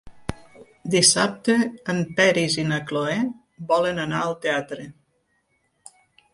Dissabte en Peris i na Cloè volen anar al teatre.